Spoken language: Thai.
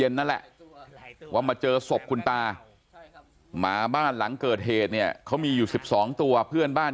นั่นแหละว่ามาเจอศพคุณตาหมาบ้านหลังเกิดเหตุเนี่ยเขามีอยู่๑๒ตัวเพื่อนบ้าน